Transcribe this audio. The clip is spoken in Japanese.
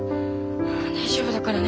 大丈夫だからね。